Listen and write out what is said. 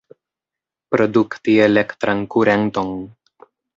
Produkti elektran kurenton.